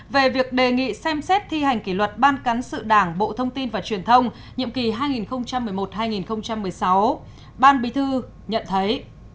về việc đề nghị xem xét thi hành kỷ luật ban cán sự đảng bộ thông tin và truyền thông nhiệm kỳ hai nghìn một mươi một hai nghìn một mươi sáu ban bí thư nhận thấy